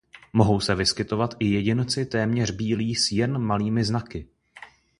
Mohou se vyskytovat i jedinci téměř bílí s jen malými znaky.